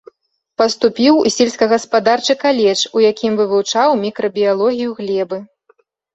Паступіў у сельскагаспадарчы каледж, у якім вывучаў мікрабіялогію глебы.